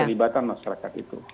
pelibatan masyarakat itu